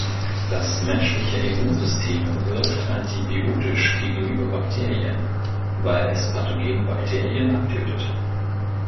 Das menschliche Immunsystem wirkt antibiotisch gegenüber Bakterien, weil es pathogene Bakterien abtötet.